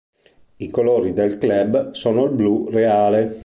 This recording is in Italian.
I colori del club sono il blu reale